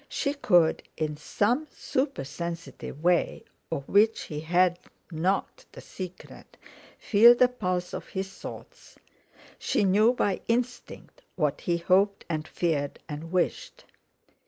She could, in some supersensitive way, of which he had not the secret, feel the pulse of his thoughts; she knew by instinct what he hoped and feared and wished.